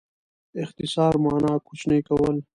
اختصار مانا؛ کوچنی کول.